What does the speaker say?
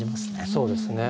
そうですね。